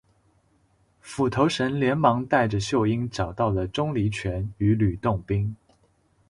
斧头神连忙带着秀英找到了钟离权与吕洞宾。